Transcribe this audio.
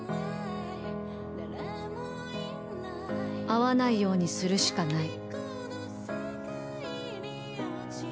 会わないようにするしかない。